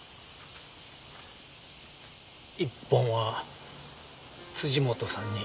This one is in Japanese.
１本は辻本さんに。